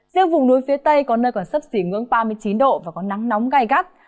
riêng vùng núi phía tây có nơi còn sấp xỉ ngưỡng ba mươi chín độ và có nắng nóng gai gắt